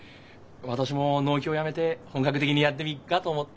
私も農協辞めて本格的にやってみっがと思って。